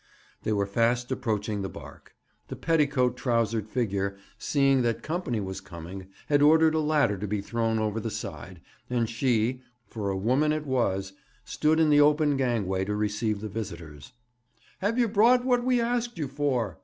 They were fast approaching the barque. The petticoat trousered figure, seeing that company was coming, had ordered a ladder to be thrown over the side, and she for a woman it was stood in the open gangway to receive the visitors. 'Have you brought what we asked you for?'